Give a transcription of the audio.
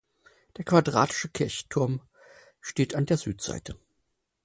Der quadratische Kirchturm steht an der Südseite.